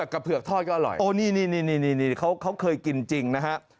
กระเผือกทอดก็อร่อยเขาเคยกินจริงนะครับ